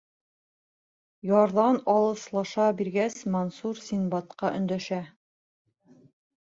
Ярҙан алыҫлаша биргәс, Мансур Синдбадҡа өндәшә: